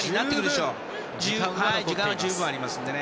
時間は十分ありますんでね。